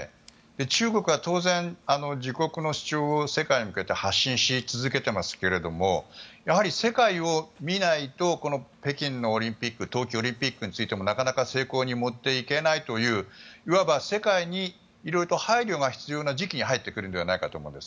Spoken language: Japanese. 中国は当然、自国の主張を世界に向けて発信し続けていますけどやはり世界を見ないとこの北京のオリンピック冬季オリンピックについてもなかなか成功に持っていけないといういわば、世界に色々と配慮が必要な時期に入ってくるのではないかと思うんです。